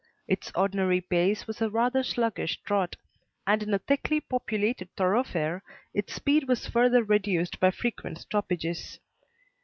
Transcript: Its ordinary pace was a rather sluggish trot, and in a thickly populated thoroughfare its speed was further reduced by frequent stoppages.